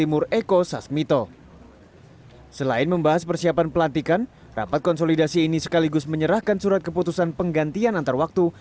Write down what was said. membahas persiapan pelantikan rapat konsolidasi ini sekaligus menyerahkan surat keputusan penggantian antar waktu